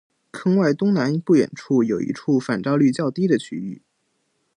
坑外东南不远有一处反照率较低的区域。